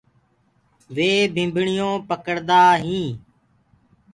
وي ڀمڀڻيونٚ پڙدآ هينٚ۔